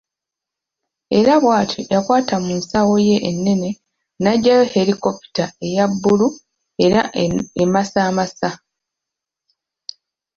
Era bw'atyo yakwata mu nsawo ye ennene n'aggyayo helikopita eya bbulu era emasamasa.